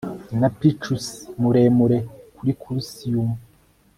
Na Picus muremure kuri Clusium